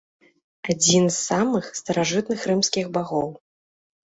Адзін з самых старажытных рымскіх багоў.